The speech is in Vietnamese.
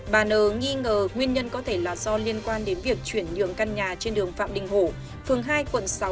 bà n nghi ngờ nguyên nhân có thể là do liên quan đến việc chuyển nhượng căn nhà trên đường phạm đình hổ phường hai quận sáu